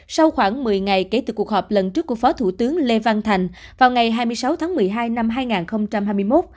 sau khoảng một mươi ngày kể từ cuộc họp lần trước của phó thủ tướng lê văn thành vào ngày hai mươi sáu tháng một mươi hai năm hai nghìn hai mươi một